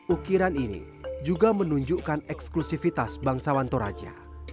ukiran ini juga menunjukkan eksklusifitas bangsawan toraja